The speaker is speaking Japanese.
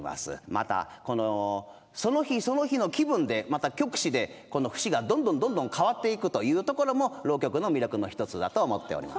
またその日その日の気分でまた曲師でこの節がどんどんどんどん変わっていくというところも浪曲の魅力の一つだと思っております。